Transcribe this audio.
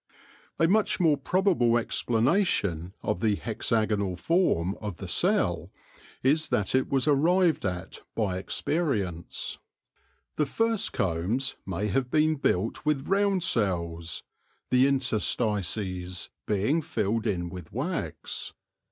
A much more probable explanation of the hexagonal form of the cell is that it was arrived at by experience. The first THE SOVEREIGN WORKER BEE 93 combs may have been built with round cells, the inter stices being filled in with wax.